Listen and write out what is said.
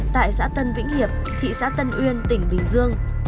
tại xã tân vĩnh hiệp thị xã tân uyên tỉnh bình dương